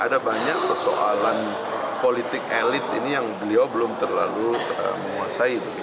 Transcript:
ada banyak persoalan politik elit ini yang beliau belum terlalu menguasai